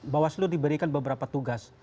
bawaslu diberikan beberapa tugas